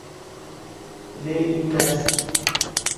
Ne indas.